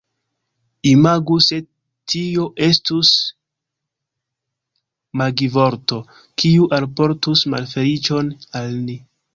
Imagu se tio estus magivorto, kiu alportus malfeliĉon al ni.